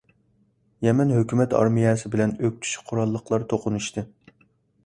يەمەن ھۆكۈمەت ئارمىيەسى بىلەن ئۆكتىچى قوراللىقلار توقۇنۇشتى.